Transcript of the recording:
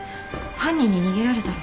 犯人に逃げられたら。